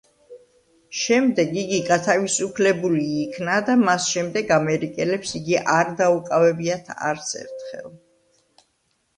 შემდეგ იგი გათავისუფლებული იქნა და მას შემდეგ ამერიკელებს იგი არ დაუკავებიათ არც ერთხელ.